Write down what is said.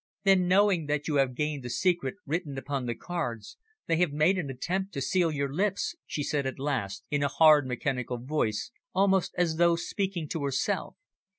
"Then, knowing that you have gained the secret written upon the cards, they have made an attempt to seal your lips," she said at last, in a hard, mechanical voice, almost as though speaking to herself.